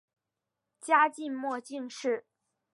嘉靖末进士。